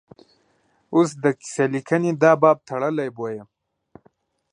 اوس د کیسه لیکنې دا باب تړلی بویه.